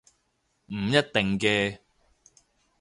唔一定嘅